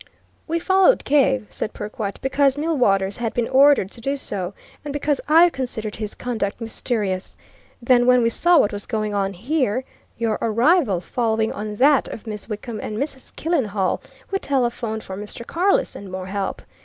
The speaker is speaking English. "We followed Cave," said Perkwite, "because Millwaters had been ordered to do so, and because I considered his conduct mysterious. Then, when we saw what was going on here, your arrival following on that of Miss Wickham and Mrs. Killenhall, we telephoned for Mr. Carless and more help.